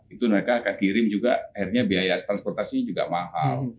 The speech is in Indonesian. itu mereka akan kirim juga akhirnya biaya transportasinya juga mahal